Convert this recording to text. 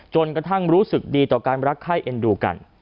กระทั่งรู้สึกดีต่อการรักไข้เอ็นดูกัน